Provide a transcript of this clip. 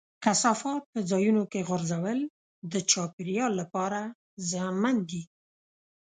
کثافات په ځایونو کې غورځول د چاپېریال لپاره زیانمن دي.